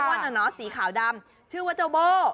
อ้วนน้องสีขาวดำชื่อว่าเจ้าโบ่